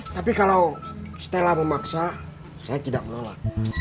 tapi kalau stella memaksa saya tidak menolak